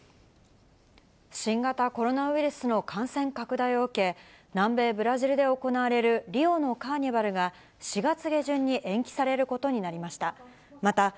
新型コロナウイルスの感染拡大を受け、南米ブラジルで行われるリオのカーニバルが、４月下旬に延期されることになりました。